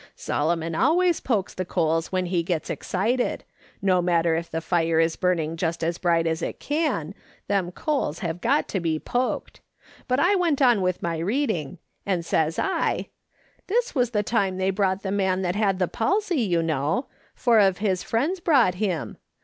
" Solomon always pokes the coals when he gets excited ; no matter if the fire is burning just as bright as it can, them coals have got to be poked But I went on with my reading, and says I :"' This was the time they brought the man that had the palsy, you know ; four of his friends brought him.